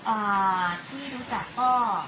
อ่าที่รู้จักก็